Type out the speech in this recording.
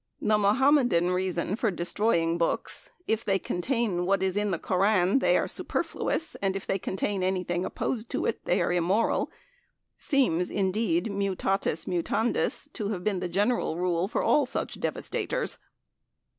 The Mohammedan reason for destroying books "If they contain what is in the Koran they are superfluous, and if they contain anything opposed to it they are immoral," seems, indeed, mutatis mutandis, to have been the general rule for all such devastators.